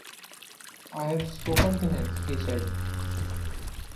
“I have spoken to him,” he said.